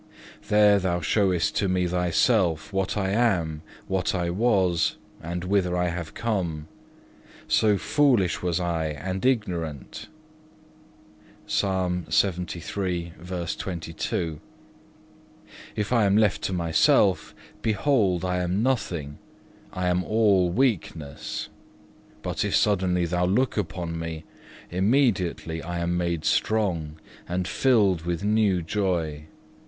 There Thou showest to me myself, what I am, what I was, and whither I have come: so foolish was I and ignorant.(1) If I am left to myself, behold I am nothing, I am all weakness; but if suddenly Thou look upon me, immediately I am made strong, and filled with new joy.